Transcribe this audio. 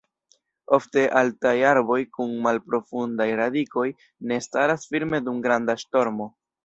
Ofte altaj arboj kun malprofundaj radikoj ne staras firme dum granda ŝtormo.